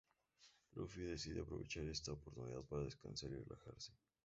Luffy decide aprovechar esta oportunidad para descansar y relajarse.